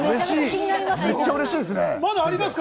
めっちゃ嬉しいですね。